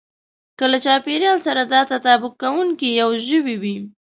که له چاپېريال سره دا تطابق کوونکی يو ژوی وي.